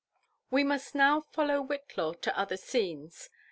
We must now follow Whillaw to other scones.